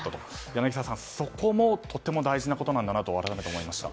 柳澤さん、そこもとても大事なことなんだなと改めて思いました。